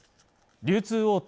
流通大手